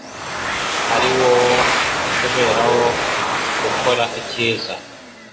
ari wo wo kuberaho gukora icyiza.